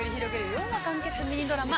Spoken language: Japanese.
４話完結、ミニドラマ。